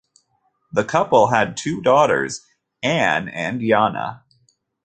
The couple had two daughters, Anne and Yana.